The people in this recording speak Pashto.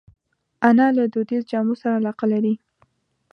انا له دودیزو جامو سره علاقه لري